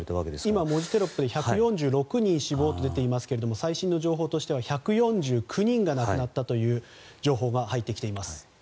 今、文字テロップで１４６人死亡と出ていましたが１４９人が亡くなったという情報が入ってきています。